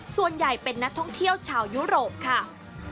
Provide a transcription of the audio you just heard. ส่วนใหญ่เป็นนักท่องเที่ยวชาวยุโรปค่ะ